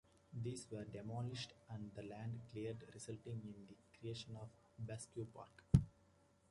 These were demolished and the land cleared resulting in the creation of Basque Park.